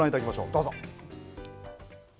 どうぞ。